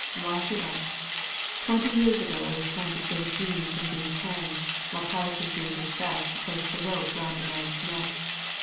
"Why should I? Twenty years ago I was trying to save Dean from being hanged, while Pai^e was doing his best to place the rope round the man's neck.